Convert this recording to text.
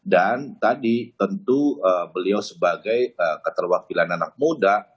dan tadi tentu beliau sebagai keterwakilan anak muda